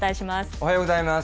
おはようございます。